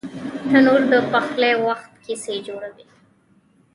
تنور د پخلي وخت کیسې جوړوي